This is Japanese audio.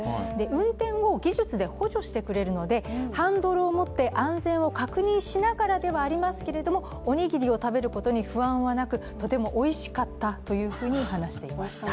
運転を技術で補助してくれるのでハンドルを持って、安全を確認しながらではありますけれども、おにぎりを食べることに不安はなくとてもおいしかったというふうに話していました。